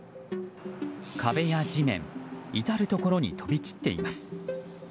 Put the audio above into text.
壁や地面、至るところに飛び散っています。